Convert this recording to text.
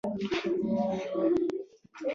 نقشه ښيي پراخې ډیپلوماتیکې اړیکې موجودې وې